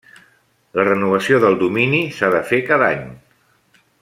La renovació del domini s'ha de fer cada any.